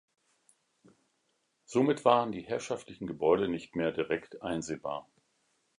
Somit waren die herrschaftlichen Gebäude nicht mehr direkt einsehbar.